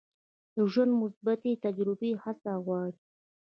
د ژوند مثبتې تجربې هڅه غواړي.